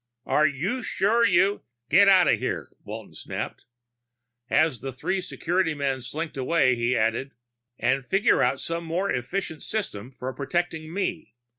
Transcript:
"Are you sure you " "Get out of here," Walton snapped. As the three security men slinked away, he added, "And figure out some more efficient system for protecting me.